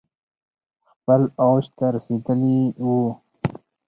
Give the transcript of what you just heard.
خپل اوج ته رسیدلي ؤ